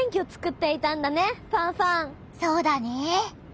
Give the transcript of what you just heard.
そうだね。